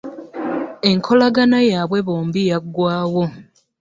Ekolagana yabwe bombi yagwawo.